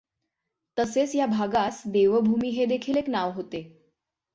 तसेच या भागास देवभूमी हे देखील एक नाव होते.